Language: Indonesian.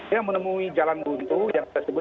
yang menemui jalan buntu yang disebut